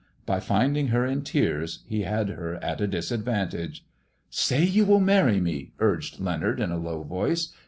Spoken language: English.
By finding her in tears he had ber at a disadvantage. " Say you will marry me !" urged Leonard, in a low 7oice.